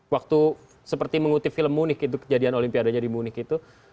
waktu seperti mengutip film munich kejadian olimpiadanya di munich itu